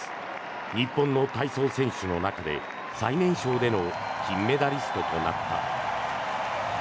日本の体操選手の中で最年少での金メダリストとなった。